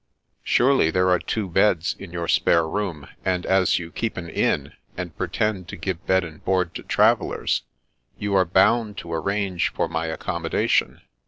Surely there are two beds in your spare room, and as you keep an inn, and pretend to give bed and board to travellers, you are bound to arrange for my accommodation."